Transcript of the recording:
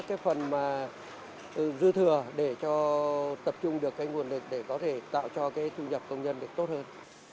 cái phần mà dư thừa để tập trung được cái nguồn lực để có thể tạo cho cái thu nhập công nhân được tốt hơn